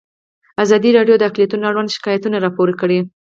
ازادي راډیو د اقلیتونه اړوند شکایتونه راپور کړي.